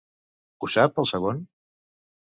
Ho sap el segon?